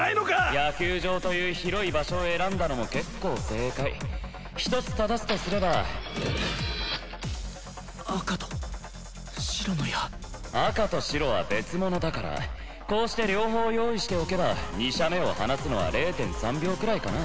野球場という広い場所を選んだのも結構正解一つただすとすれば赤と白の矢赤と白は別物だからこうして両方用意しておけば２射目を放つのは０．３秒くらいかな